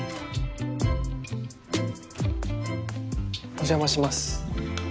お邪魔します。